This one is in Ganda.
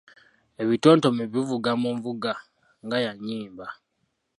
Ebitontome bivuga mu nvuga nga ya nnyimba.